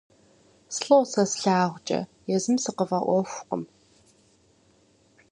Слӏо сэ слъагъукӏэ, езым сыкъыфӏэӏуэхукъым…